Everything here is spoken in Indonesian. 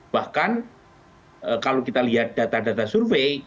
bahkan kalau kita lihat data data survei